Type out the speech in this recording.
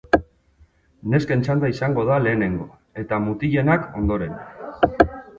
Nesken txanda izango da lehenengo eta mutilenak ondoren.